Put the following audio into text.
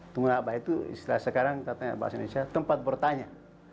tungguna aba itu istilahnya sekarang katanya bahasa indonesia tempat bertanya